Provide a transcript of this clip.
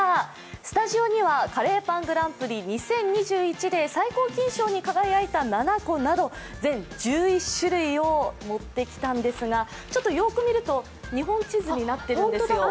スタジオにはカレーパングランプリ２０２１で最高金賞に輝いた７個など全１１種類を持ってきたんですがよーく見ると日本地図になっているんですよ。